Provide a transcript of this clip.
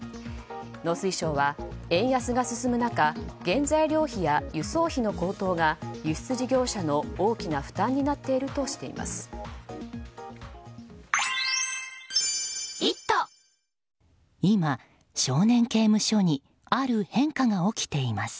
農水省は円安が進む中原材料費や輸送費の高騰が、輸出事業者の大きな負担になっているとしています。